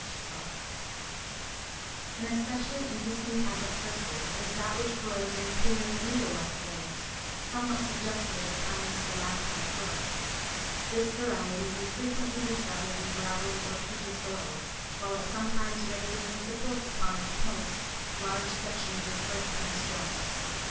Showing initials crudely scratched upon glass, which frost has elaborated] An especially interesting type of crystal is that which grows in queer needle like layers, somewhat suggestive of tiny stalactite growths; this variety we frequently discover in gravelly or peaty soil, while it sometimes raises and supports upon its points large sections of earth and stones.